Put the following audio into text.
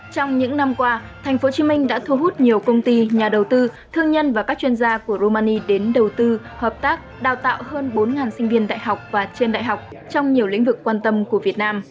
trong những năm qua tp hcm đã thu hút nhiều công ty nhà đầu tư thương nhân và các chuyên gia của romani đến đầu tư hợp tác đào tạo hơn bốn sinh viên đại học và trên đại học trong nhiều lĩnh vực quan tâm của việt nam